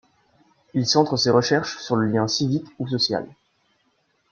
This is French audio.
Il centre ses recherches sur le lien civique ou social.